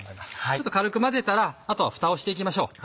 ちょっと軽く混ぜたらあとはフタをしていきましょう。